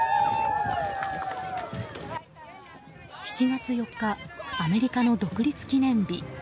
７月４日アメリカの独立記念日。